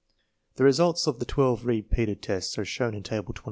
The results of the twelve repeated tests are shown in Table 27.